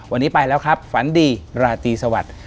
วันนี้ไปแล้วครับฝันดีราตรีสวัสดิ์